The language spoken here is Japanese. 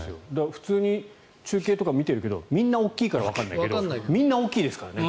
普通に中継とか見てるけどみんな大きいからわからないけどみんな大きいですからね。